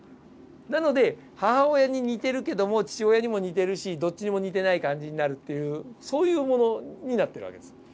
なので母親に似てるけども父親にも似てるしどっちにも似てない感じになるっていうそういうものになってる訳です。